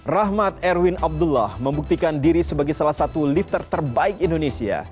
rahmat erwin abdullah membuktikan diri sebagai salah satu lifter terbaik indonesia